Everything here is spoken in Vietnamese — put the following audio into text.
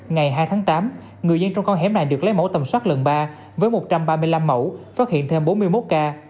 ngày hai tháng tám người dân trong con hẻm này được lấy mẫu tầm soát lần ba với một trăm ba mươi năm mẫu phát hiện thêm bốn mươi một ca